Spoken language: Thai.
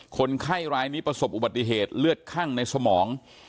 คนไข้รายนี้ประสบอุบัติเหตุเลือดคั่งในสมอง